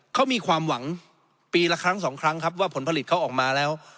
เขามีความหวังปีละครั้งสองครั้งครับว่าผลผลิตเขาออกมาแล้ว